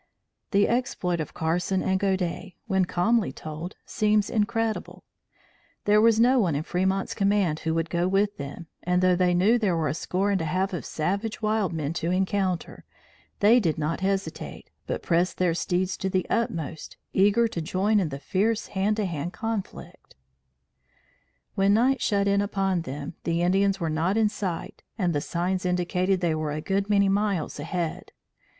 The exploit of Carson and Godey, when calmly told, seems incredible. There was no one in Fremont's command who would go with them, and though they knew there were a score and a half of savage wild men to encounter, they did not hesitate, but pressed their steeds to the utmost, eager to join in the fierce hand to hand conflict. When night shut in upon them, the Indians were not in sight and the signs indicated they were a good many miles ahead.